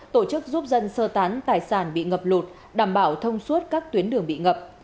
tổ chức giúp dân sơ tán tài sản bị ngập lụt đảm bảo thông suốt các tuyến đường bị ngập